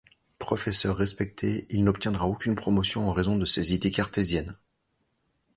Professeur respecté, il n'obtiendra aucune promotion en raison de ses idées cartésiennes.